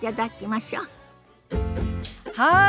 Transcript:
はい。